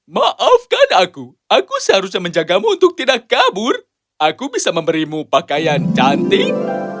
maafkan aku aku seharusnya menjagamu untuk tidak kabur aku bisa memberimu pakaian cantik